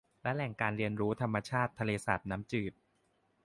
และแหล่งการเรียนรู้ธรรมชาติทะเลสาปน้ำจืด